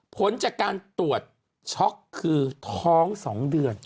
ผลจากการตรวจช็อกคือท้อง๒เดือน